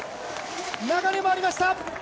流れもありました。